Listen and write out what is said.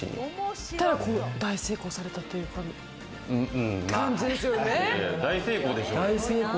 そしたら大成功されたっていう感じですよね。